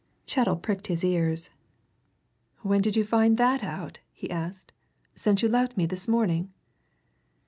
Chettle pricked his ears. "When did you find that out?" he asked. "Since you left me this morning?"